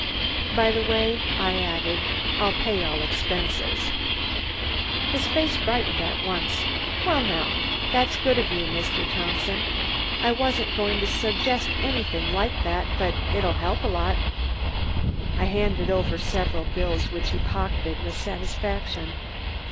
"By the way," I added. "I'll pay all expenses." His face brightened at once. "Well, now, that's good of you, Mr. Thompson. I wasn't going to suggest anything like that, but it'll help a lot." I handed over several bills, which he pocketed with satisfaction.